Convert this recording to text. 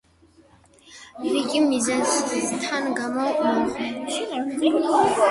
რიგ მიზეზთა გამო, მომღერალი საკუთარი თავის უნივერსიტეტში აღდგენით აღარაა დაინტერესებული.